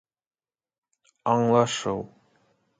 Аңлашыу